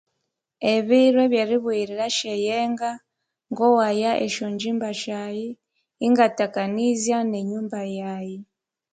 Ebiro byeribughirira esyeyenga kowaya esyo ngyimba syayi ingatakanizya ne nyumba yayi